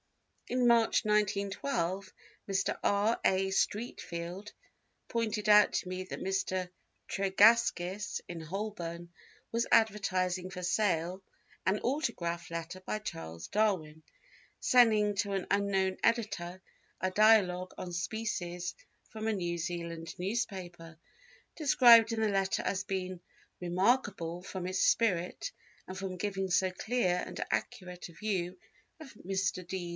In March, 1912, Mr. R. A. Streatfeild pointed out to me that Mr. Tregaskis, in Holborn, was advertising for sale an autograph letter by Charles Darwin sending to an unknown editor a Dialogue on Species from a New Zealand newspaper, described in the letter as being "remarkable from its spirit and from giving so clear and accurate a view of Mr. D.